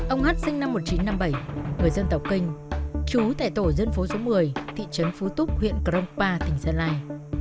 ông hát sinh năm một nghìn chín trăm năm mươi bảy người dân tàu kinh chú tại tổ dân phố số một mươi thị trấn phú túc huyện crong pa tỉnh sơn lai